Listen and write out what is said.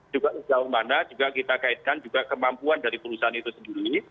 juga sejauh mana juga kita kaitkan juga kemampuan dari perusahaan itu sendiri